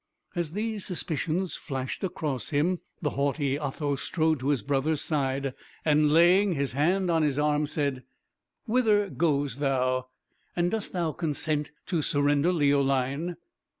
As these suspicions flashed across him, the haughty Otho strode to his brother's side, and laying his hand on his arm, said: "Whither goes thou? and dost thou consent to surrender Leoline?"